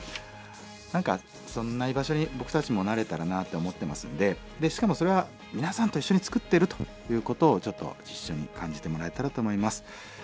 何かそんな居場所に僕たちもなれたらなって思っていますんでしかもそれは皆さんと一緒に作ってるということをちょっと一緒に感じてもらえたらと思います。